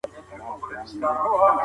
بې ادبه بې نصیبه.